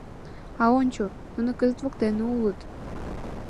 А ончо, нуно кызыт воктенет улыт.